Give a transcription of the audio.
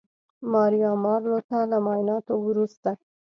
ماریا مارلو ته له معاینانو وروسته